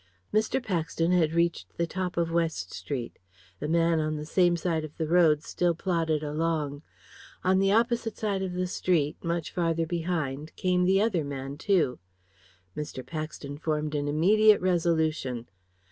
Mr. Paxton had reached the top of West Street. The man on the same side of the road still plodded along. On the opposite side of the street, much farther behind, came the other man too. Mr. Paxton formed an immediate resolution.